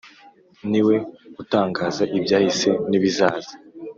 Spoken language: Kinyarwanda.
Ni we utangaza ibyahise n’ibizaza,